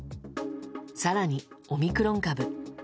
更に、オミクロン株。